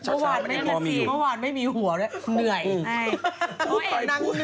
เมื่อวานไม่มีเมื่อวานไม่มีหัวด้วยเหนื่อย